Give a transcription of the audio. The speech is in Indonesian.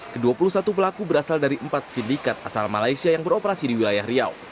ke dua puluh satu pelaku berasal dari empat sindikat asal malaysia yang beroperasi di wilayah riau